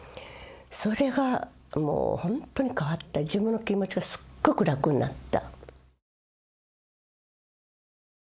それがもうホントに変わった自分の気持ちがすっごく楽になった